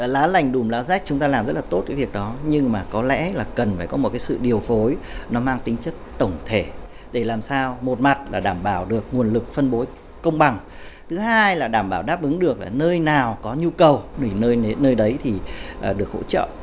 lá lành đùm lá rách chúng ta làm rất là tốt cái việc đó nhưng mà có lẽ là cần phải có một cái sự điều phối nó mang tính chất tổng thể để làm sao một mặt là đảm bảo được nguồn lực phân bố công bằng thứ hai là đảm bảo đáp ứng được nơi nào có nhu cầu nơi đấy thì được hỗ trợ